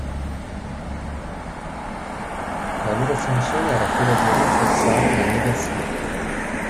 La loro funzione era quella di rinforzare la negazione.